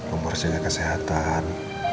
umur sejak kesehatan